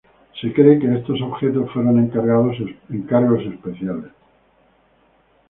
Se cree que estos objetos fueron encargos especiales.